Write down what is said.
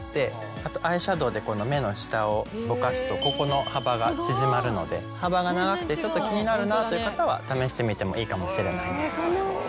あとアイシャドウでこの目の下をぼかすとここの幅が縮まるので幅が長くてちょっと気になるなという方は試してみてもいいかもしれないです。